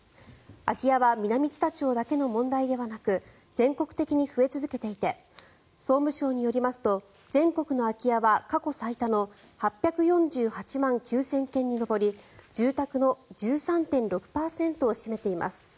空き家は南知多町だけの問題ではなく全国的に増え続けていて総務省によりますと全国の空き家は過去最多の８４８万９０００軒に上り住宅の１３．６％を占めています。